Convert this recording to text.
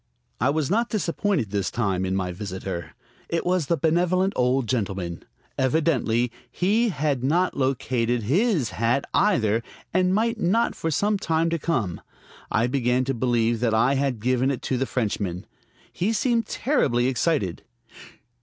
I was not disappointed this time in my visitor. It was the benevolent old gentleman. Evidently he had not located his hat either, and might not for some time to come. I began to believe that I had given it to the Frenchman. He seemed terribly excited.